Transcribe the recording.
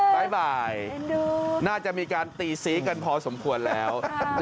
บ่ายน่าจะมีการตีสีกันพอสมควรแล้ว